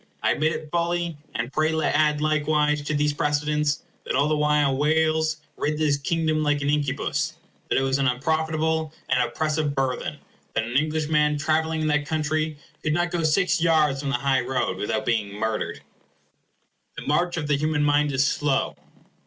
I admit it fully; and pray add likewise to these precedents that all the while Wales rid this Kingdom like an incubus, that it was an unprofitable and oppressive burthen, and that an Englishman travelling in that country could not go six yards from the high road without being murdered. The march of the human mind is slow.